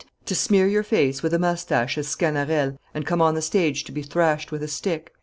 to smear your face with a mustache as Sganarelle, and come on the stage to be thrashed with a stick?